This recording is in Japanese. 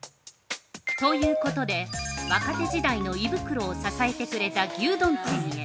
◆ということで、若手時代の胃袋を支えてくれた牛丼店へ。